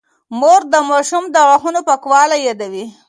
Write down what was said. مور د ماشوم د غاښونو پاکوالی يادوي.